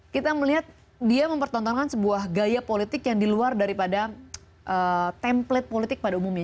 kita melihat dia mempertontonkan sebuah gaya politik yang di luar daripada template politik pada umumnya